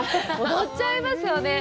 踊っちゃいますよね。